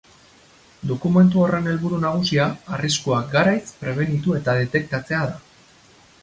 Dokumentu horren helburu nagusia arriskuak garaiz prebenitu eta detektatzea da.